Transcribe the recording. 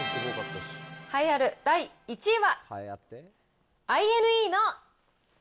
栄えある第１位は。